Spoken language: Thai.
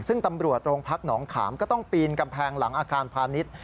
ซึ่งตำรวจโรงพักหนองขามก็ต้องปีนกำแพงหลังอาคารพาณิชย์